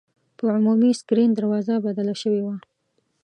په عمومي سکرین دروازه بدله شوې وه.